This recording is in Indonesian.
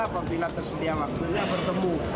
ada pembina tersedia waktunya bertemu